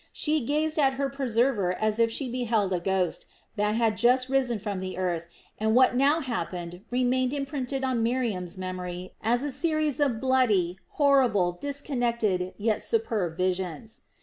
She gazed at her preserver as if she beheld a ghost that had just risen from the earth and what now happened remained imprinted on Miriam's memory as a series of bloody, horrible, disconnected, yet superb visions.